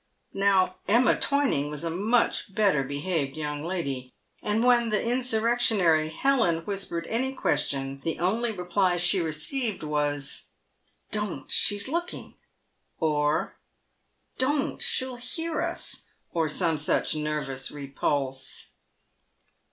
Now, Emma Twining was a much better behaved young lady, and when the insurrectionary Helen whispered any question, the only reply she received was, " Don't— she's looking," or, "Don't — she'll hear us," or some such nervous repulse.